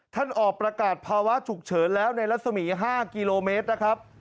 ออกประกาศภาวะฉุกเฉินแล้วในรัศมี๕กิโลเมตรนะครับ